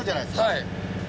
はい。